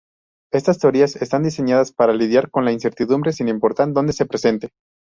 Estas teorías están diseñadas para lidiar con la incertidumbre, sin importar dónde se presente.